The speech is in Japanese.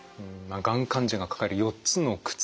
がん患者が抱える４つの苦痛